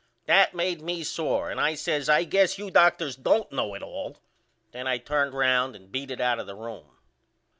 That made me sore and I says I guess you doctors don't know it all. And then I turned round and beat it out of the room.